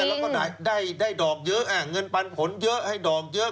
แล้วก็ได้ดอกเยอะเงินปันผลเยอะให้ดอกเยอะ